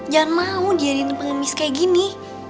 jangan mau dijadiin panggung lemis kayak gini